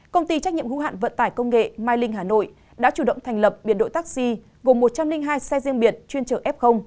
công ty trách nhiệm hữu hạn vận tải công nghệ mai linh hà nội đã chủ động thành lập biệt đội taxi gồm một trăm linh hai xe riêng biệt chuyên chở f